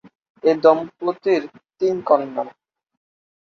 এ দম্পতির তিন কন্যা।